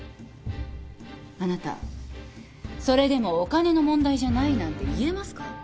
あなたそれでもお金の問題じゃないなんて言えますか？